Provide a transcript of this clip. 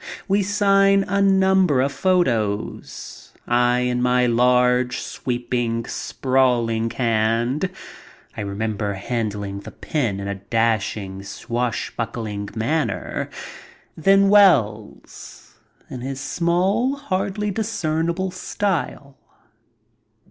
We sign a number of photos, I in my large, .sweeping, sprawling hand — I remember handling the pen in a dashing, swashbuckling manner — ^then Wells, in his small, hardly discernible style.